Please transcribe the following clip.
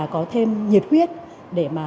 có thêm nhiệt huyết để mà